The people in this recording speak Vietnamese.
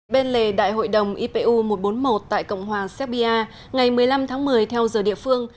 bên lề đại hội đồng ipu một trăm bốn mươi một tại cộng hòa serbia ngày một mươi năm tháng một mươi theo giờ địa phương